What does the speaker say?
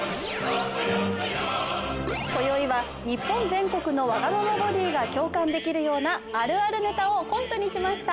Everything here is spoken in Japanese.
今宵は日本全国のわがままボディが共感できるようなあるあるネタをコントにしました。